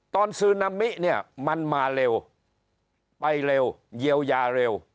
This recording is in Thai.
ซึนามิเนี่ยมันมาเร็วไปเร็วเยียวยาเร็ว